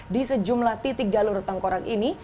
di sejumlah titik jalur tengkorak ini